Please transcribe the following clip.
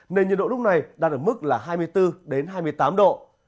nên nhiệt độ lúc này đạt ở mức là hai mươi bốn hai mươi tám độ